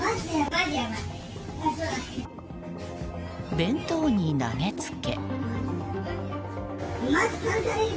弁当に投げつけ。